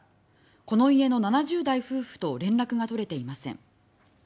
この家の７０代夫婦と連絡が取れていません。